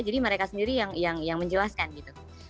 jadi mereka sendiri yang menjelaskan gitu